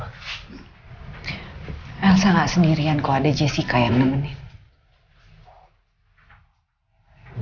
elsa tidak sendirian kalau ada jessica yang menemani